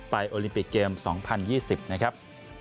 โอลิมปิกเกม๒๐๒๐นะครับ